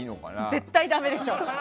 絶対だめでしょ！